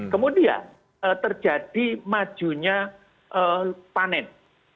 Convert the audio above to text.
kemudian terjadi majunya panen